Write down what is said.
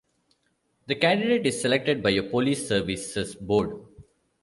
The candidate is selected by a police services board.